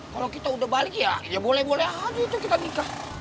kalau kita udah balik ya ya boleh boleh aja tuh kita nikah